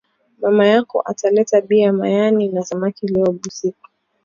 Mama yako ata leta bia mayani na samaki leo bushiku